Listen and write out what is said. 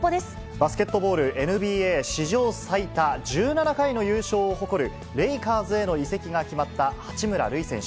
バスケットボール・ＮＢＡ、史上最多、１７回の優勝を誇るレイカーズへの移籍が決まった八村塁選手。